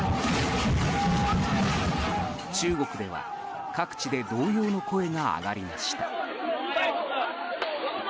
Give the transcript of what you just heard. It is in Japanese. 中国では各地で同様の声が上がりました。